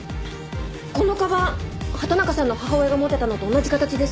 このカバン畑中さんの母親が持ってたのと同じ形です。